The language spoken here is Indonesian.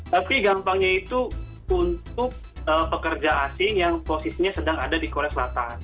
tapi gampangnya itu untuk pekerja asing yang posisinya sedang ada di korea selatan